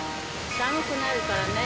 寒くなるからね